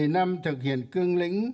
một mươi năm thực hiện cương lĩnh